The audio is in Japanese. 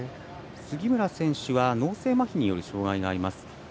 杉村選手は脳性まひによる障がいがあります。